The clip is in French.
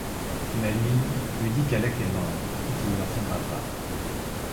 Mais Lynn lui dit qu'Alec est mort et qu'il ne reviendra pas.